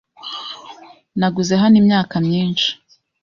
Naguze hano imyaka myinshi.